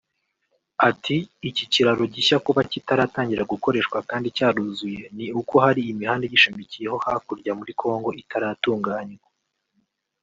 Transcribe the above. Ati ”Iki kiraro gishya kuba kitaratangira gukoreshwa kandi cyaruzuye ni uko hari imihanda igishamikiyeho hakurya muri congo itaratunganywa